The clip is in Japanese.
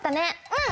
うん！